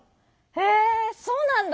へえそうなんだ！